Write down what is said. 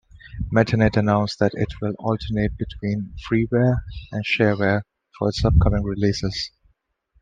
Metanet announced that it will alternate between freeware and shareware for its upcoming releases.